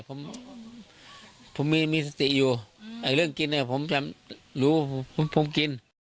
ผมผมมีสติอยู่เรื่องกินเนี่ยผมจะรู้ผมกิน